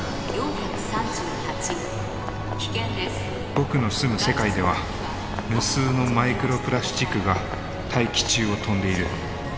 僕の住む世界では無数のマイクロプラスチックが大気中を飛んでいる。